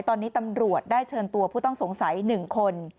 ตอนนี้ตำรวจได้เชิญตัวผู้ต้องสงสัย๑คน